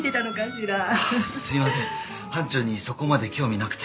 すいません班長にそこまで興味なくて。